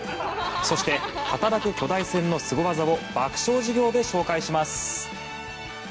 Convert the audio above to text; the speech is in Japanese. そして働く巨大船のスゴ技を爆笑授業で紹介します。